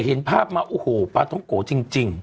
เป็นภาพมาปลาท้องโกะจริง